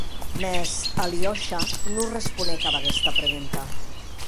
Mès Aliosha non responc ad aguesta pregunta.